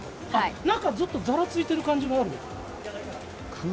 中、ちょっとざらついてる感じもある。